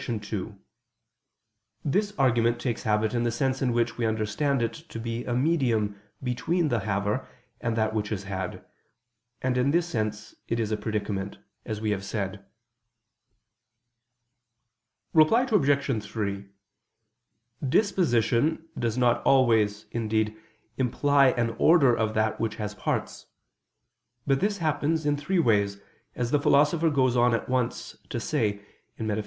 2: This argument takes habit in the sense in which we understand it to be a medium between the haver, and that which is had: and in this sense it is a predicament, as we have said. Reply Obj. 3: Disposition does always, indeed, imply an order of that which has parts: but this happens in three ways, as the Philosopher goes on at once to says (Metaph.